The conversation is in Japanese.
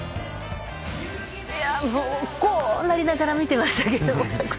もう、こうなりながら見てましたけど。